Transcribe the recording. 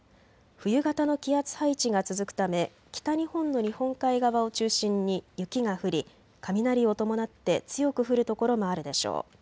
冬型の気圧配置が続くため北日本の日本海側を中心に雪が降り、雷を伴って強く降る所もあるでしょう。